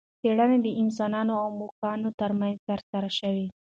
څېړنه د انسانانو او موږکانو ترمنځ ترسره شوه.